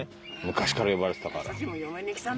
昔から呼ばれてたから。